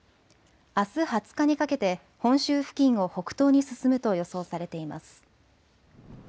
あす２０日にかけて、本州付近を北東に進むと予想されています。